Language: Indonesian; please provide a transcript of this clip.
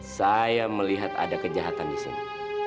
saya melihat ada kejahatan di sini